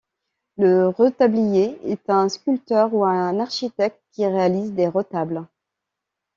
Le retablier est un sculpteur ou un architecte qui réalise des retables.